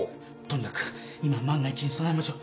とにかく今は万が一に備えましょ。